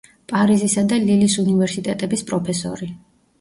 პარიზისა და ლილის უნივერსიტეტების პროფესორი.